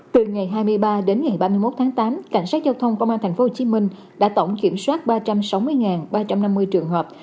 từ ngày hai mươi ba đến ngày ba mươi một tháng tám cảnh sát giao thông công an tp hcm đã tổng kiểm soát ba trăm sáu mươi ba trăm năm mươi trường hợp